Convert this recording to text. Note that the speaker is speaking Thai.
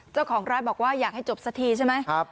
เจ้าของร้านบอกว่าอยากให้จบสักทีใช่ไหม